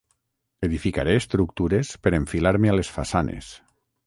Edificaré estructures per enfilar-me a les façanes.